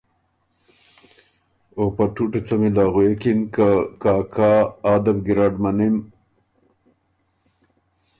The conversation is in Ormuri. او په ټُوټه څمی له غوېکِن که کاکا آ ده بو ګیرډ منِم۔